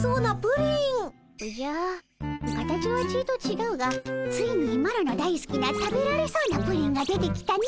おじゃ形はちいとちがうがついにマロのだいすきな食べられそうなプリンが出てきたの。